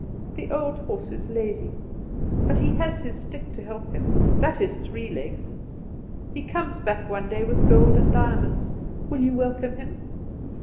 The old horse is lazy, but he has his stick to help him; that is three legs. He comes back one day with gold and diamonds. Will you welcome him?